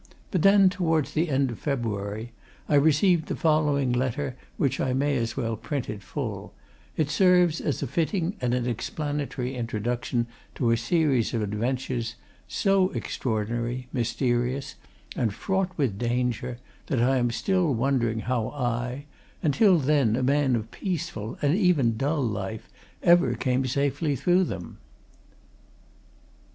But then, towards the end of February, I received the following letter which I may as well print in full: it serves as a fitting and an explanatory introduction to a series of adventures, so extraordinary, mysterious, and fraught with danger, that I am still wondering how I, until then a man of peaceful and even dull life, ever came safely through them.